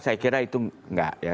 saya kira itu tidak